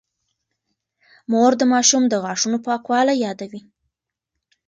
مور د ماشوم د غاښونو پاکوالی يادوي.